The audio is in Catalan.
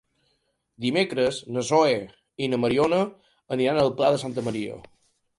Dimecres na Zoè i na Mariona aniran al Pla de Santa Maria.